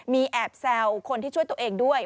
มีแอบแซวคนที่ช่วยตัวเองด้วย